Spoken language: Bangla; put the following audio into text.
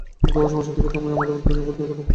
এই ভয়াবহ সমস্যা থেকে তুমি আমাদের দু জনকে উদ্ধার করা।